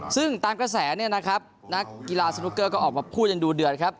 ซึ่งตามกระแสเนี่ยนะครับนักกีฬาสนุกเกอร์ก็ออกมาพูดยังดูเดือดครับ